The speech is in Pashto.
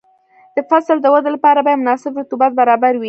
د فصل د ودې لپاره باید مناسب رطوبت برابر وي.